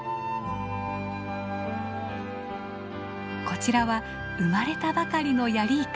こちらは生まれたばかりのヤリイカ。